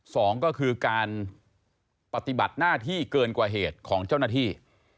สองก็คือการปฏิบัติหน้าที่เกินกว่าเหตุของเจ้าหน้าที่